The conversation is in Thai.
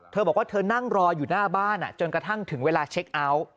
เธอบอกว่าเธอนั่งรออยู่หน้าบ้านจนกระทั่งถึงเวลาเช็คเอาท์